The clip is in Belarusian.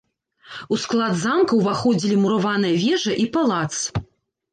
У склад замка ўваходзілі мураваныя вежа і палац.